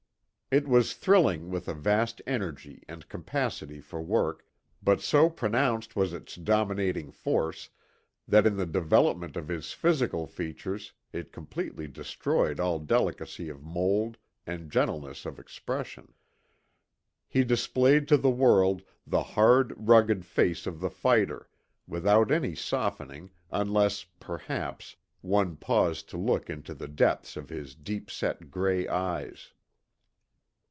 It was thrilling with a vast energy and capacity for work, but so pronounced was its dominating force, that in the development of his physical features it completely destroyed all delicacy of mould and gentleness of expression. He displayed to the world the hard, rugged face of the fighter, without any softening, unless, perhaps, one paused to look into the depths of his deep set gray eyes.